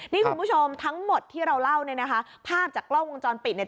นี่คุณผู้ชมทั้งหมดที่เราเล่าเนี่ยนะคะภาพจากกล้องวงจรปิดเนี่ย